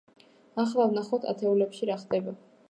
ახლა ვნახოთ ათეულებში რა ხდება.